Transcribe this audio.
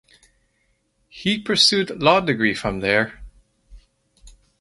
He pursued law degree from there.